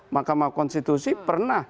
makamah konstitusi pernah